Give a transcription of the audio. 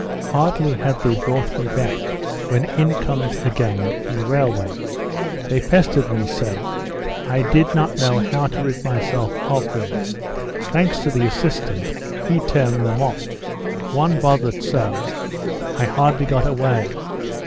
Hardly had they brought me back when in comes a gang from the railway. They pestered me so, I did not know how to rid myself of them. Thanks to the assistant, he turned them off. One bothered so, I hardly got away."